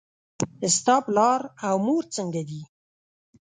ستا پلار او مور څنګه دي؟